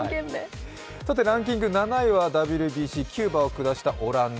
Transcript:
さてランキング７位はＷＢＣ、キューバを下したオランダ。